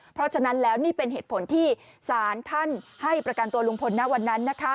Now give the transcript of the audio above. เพราะฉะนั้นแล้วนี่เป็นเหตุผลที่สารท่านให้ประกันตัวลุงพลณวันนั้น